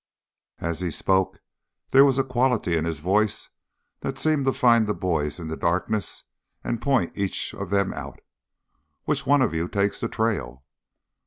As he spoke, there was a quality in his voice that seemed to find the boys in the darkness and point each of them out. "Which of you takes the trail?"